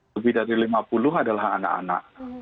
lebih dari lima puluh adalah anak anak